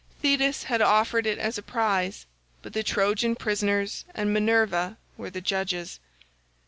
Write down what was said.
Thetis had offered it as a prize, but the Trojan prisoners and Minerva were the judges.